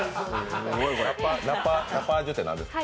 ナパージュって何ですか？